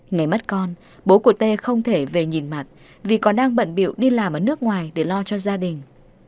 ngày mất con bố của tê không thể về nhìn mặt vì còn đang bận biểu đi làm ở nước ngoài để lo cho gia đình